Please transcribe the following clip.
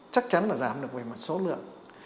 chắc chắn giảm được về mặt số lượng